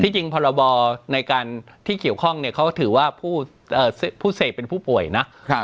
ที่จริงภาระบอในการที่เกี่ยวข้องเนี้ยเขาถือว่าผู้อ่าผู้เสพเป็นผู้ป่วยนะครับ